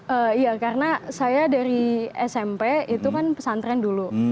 iya karena saya dari smp itu kan pesantren dulu